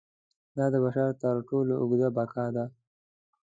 دا د بشر تر ټولو اوږده بقا ده.